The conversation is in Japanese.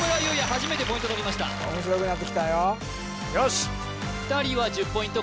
初めてポイント取りました面白くなってきたよよしっ２人は１０ポイント